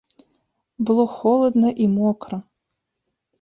Было холадна і мокра.